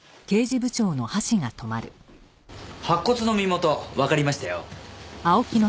白骨の身元わかりましたよ。